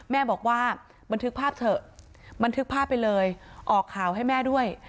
แม่บอกว่าบันทึกภาพเถอะบันทึกภาพไปเลยออกข่าวให้แม่ด้วย